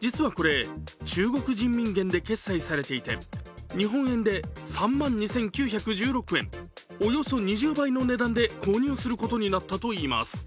実はこれ、中国人民元で決済されていて日本円で３万２９１６円、およそ２０倍の値段で購入することになったといいます。